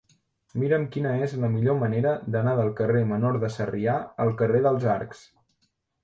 Mira'm quina és la millor manera d'anar del carrer Menor de Sarrià al carrer dels Arcs.